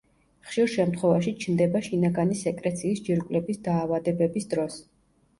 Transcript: ხშირ შემთხვევაში ჩნდება შინაგანი სეკრეციის ჯირკვლების დაავადებების დროს.